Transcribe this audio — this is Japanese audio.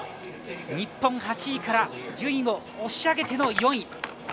日本、８位から順位を押し上げての４位。